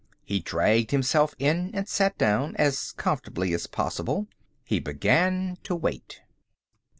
He dragged himself in and sat down, as comfortably as possible. He began to wait.